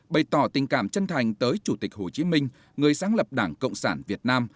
bày tỏ tình cảm chân thành tới chủ tịch hồ chí minh người sáng lập đảng cộng sản việt nam